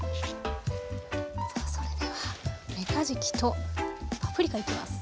さあそれではめかじきとパプリカいきます。